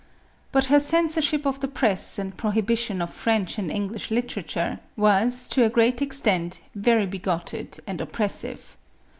But her censorship of the press and prohibition of French and English literature, was, to a great extent, very bigoted and oppressive.